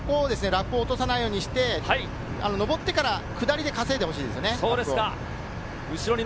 ここでラップを落とさないようにして上ってから下りで稼いでほしいですね。